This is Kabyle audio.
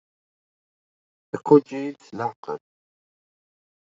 Iquǧǧ-iyi-d s leɛqel.